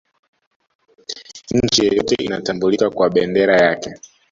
nchi yoyote inatambulika kwa bendera yake